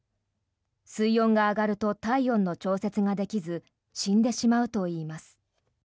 水温が上がると体温の調節ができず死んでしまうといいます。